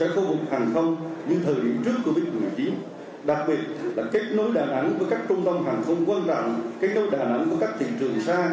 quan trọng kết nối đà nẵng với các thị trường xa